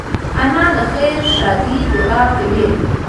انا د خیر ښادۍ دعا کوي